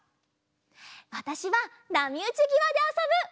わたしはなみうちぎわであそぶ！